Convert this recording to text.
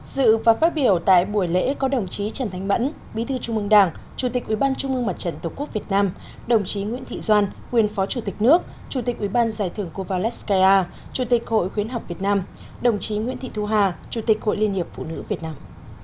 dự và phát biểu tại buổi lễ có đồng chí trần thanh mẫn bí thư trung mương đảng chủ tịch ủy ban trung mương mặt trận tổ quốc việt nam đồng chí nguyễn thị doan nguyên phó chủ tịch nước chủ tịch ủy ban giải thưởng kovalev skyar chủ tịch hội khuyến học việt nam đồng chí nguyễn thị thu hà chủ tịch hội liên hiệp phụ nữ việt nam